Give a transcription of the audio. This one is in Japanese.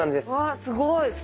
すごい！